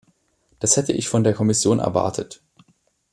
Das hätte ich von der Kommission erwartet.